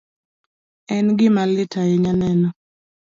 En gima lit ahinya neno